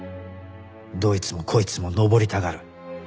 どいつもこいつも登りたがる